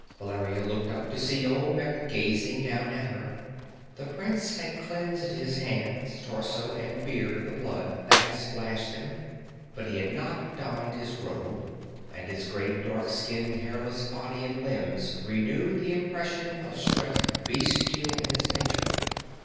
Valeria looked up to see Olmec gazing down at her. The prince had cleansed his hands, torso and beard of the blood that had splashed them; but he had not donned his robe, and his great dark skinned hairless body and limbs renewed the impression of strength bestial in its nature.